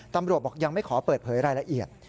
บอกยังไม่ขอเปิดเผยรายละเอียด